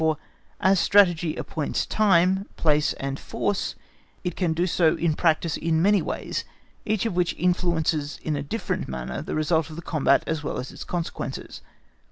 For as Strategy appoints time, place and force, it can do so in practice in many ways, each of which influences in a different manner the result of the combat as well as its consequences.